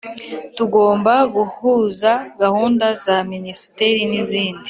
tugomba guhuza gahunda za Minisiteri n izindi